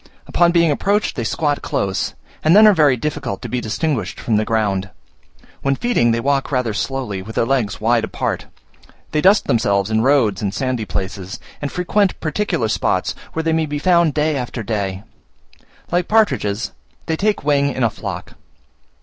Upon being approached they squat close, and then are very difficult to be distinguished from the ground. When feeding they walk rather slowly, with their legs wide apart. They dust themselves in roads and sandy places, and frequent particular spots, where they may be found day after day: like partridges, they take wing in a flock.